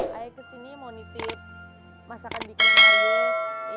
saya ke sini mau nitip masakan bikinnya gue